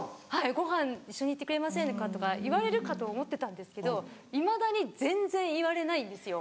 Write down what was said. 「ご飯一緒に行ってくれませんか」とか言われるかと思ってたんですけどいまだに全然言われないんですよ。